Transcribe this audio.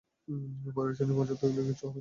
পরের স্টেশনে পৌঁছাতে পারলে, কিচ্ছু হবে না আমাদের।